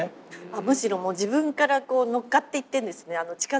むしろもう自分からこう乗っかっていってるんですね